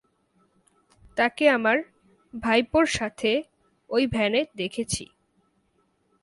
তাকে আমার ভাইপোর সাথে ওই ভ্যানে দেখেছি।